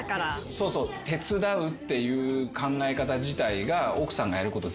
そうそう「手伝う」っていう考え方自体が奥さんがやること